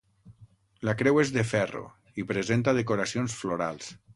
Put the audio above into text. La creu és de ferro i presenta decoracions florals.